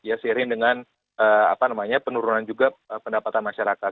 ya seiring dengan penurunan juga pendapatan masyarakat